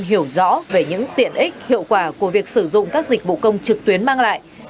hiểu rõ về những tiện ích hiệu quả của việc sử dụng các dịch vụ công trực tuyến mang lại